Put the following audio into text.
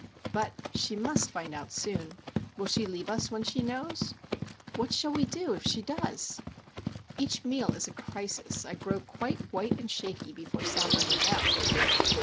But she must find out soon. Will she leave us when she knows? What shall we do, if she does? Each meal is a crisis. I grow quite white and shaky before sounding the bell.